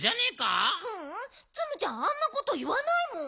ううんツムちゃんあんなこといわないもん。